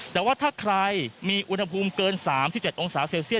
แต่ว่าถ้าใครมีอุณหภูมิเกิน๓๗องศาเซลเซียส